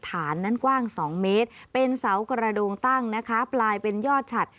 ฐานนั้นกว้าง๒เมตรเป็นเสากระโดงตั้งนะคะปลายเป็นยอดฉัด